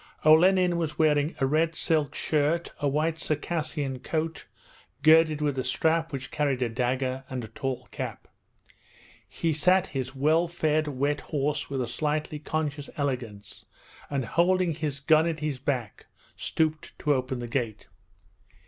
Olenin was wearing a red silk shirt, a white Circassian coat girdled with a strap which carried a dagger, and a tall cap. He sat his well fed wet horse with a slightly conscious elegance and, holding his gun at his back, stooped to open the gate.